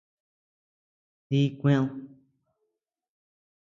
Dí kúëd.